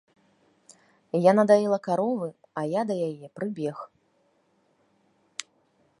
Яна даіла каровы, а я да яе прыбег.